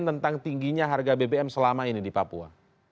tentang tingginya harga bbm selama ini di papua